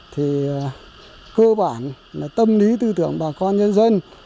thì cơ bản là tâm lý tư tưởng bà con nhân dân